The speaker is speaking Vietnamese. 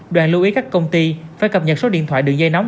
đoàn lưu ý các công ty phải cập nhật số điện thoại đường dây nóng